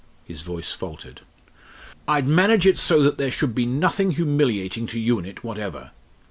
His voice faltered. "I'd manage it so that there should be nothing humiliating to you in it whatever.